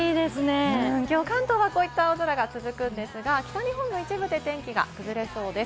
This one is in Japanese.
今日、関東はこういった青空が続くんですが、北日本の一部で天気が崩れそうです。